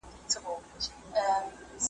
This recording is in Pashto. د پیربابا پر قبر .